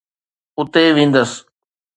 اتي وينديس.